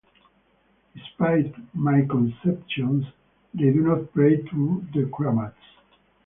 Despite misconceptions, they do not pray "to" the kramats.